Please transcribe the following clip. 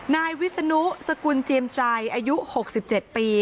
นายวิศนุสกุลเจียมใจอายุ๖๗ปี